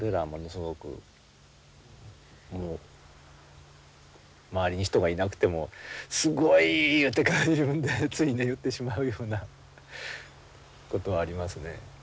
すごく周りに人がいなくても「すごい」いうて自分でつい言ってしまうようなことはありますね。